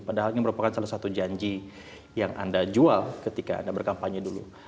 padahal ini merupakan salah satu janji yang anda jual ketika anda berkampanye dulu